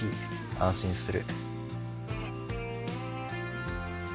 安心する」